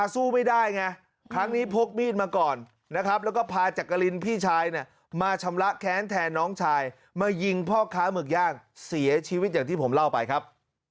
สู้ไม่ได้ไงครั้งนี้พกมีดมาก่อนนะครับแล้วก็พาจักรินพี่ชายเนี่ยมาชำระแค้นแทนน้องชายมายิงพ่อค้าหมึกย่างเสียชีวิตอย่างที่ผมเล่าไปครับ